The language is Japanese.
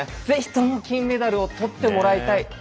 ぜひとも金メダルを取ってもらいたい。